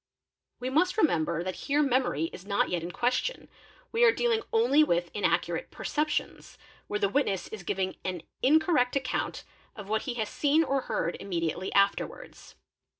We must remember that here memory is not yet in question, we are dealing only with inaccurate perceptions, _ where the witness is giving an incorrect account of what he has seen or heard immediately afterwards.